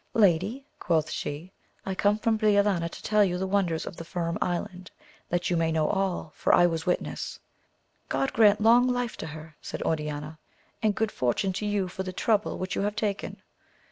Lady, quoth she, I come from Briolania to tell you the wonders of the Firm Island, that you may know all, for I was witness. God grant long life to her ! said Oriana, and good fortune to you for the trouble which you have taken.